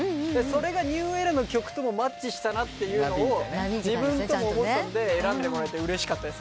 それが『ＮＥＷＥＲＡ』の曲ともマッチしたなというのを自分でも思ってたんで選んでもらえてうれしかった。